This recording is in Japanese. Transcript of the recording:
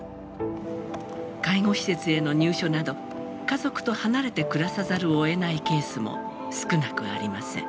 介護施設への入所など家族と離れて暮らさざるをえないケースも少なくありません。